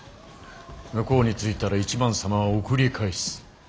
向こうに着いたら一幡様は送り返す。